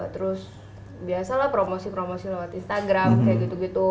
terus biasalah promosi promosi lewat instagram kayak gitu gitu